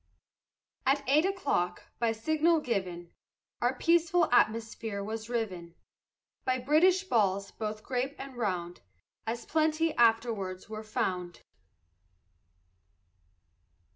At eight o'clock, by signal given, Our peaceful atmosphere was riven By British balls, both grape and round, As plenty afterwards were found.